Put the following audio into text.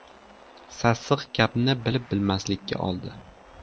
Sassiq gapni bilib-bilmaslikka oldi.